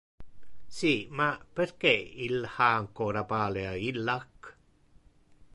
Si, ma perque il ha ancora palea illac?